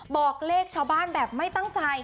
บอกเลขชาวบ้านแบบไม่ตั้งใจ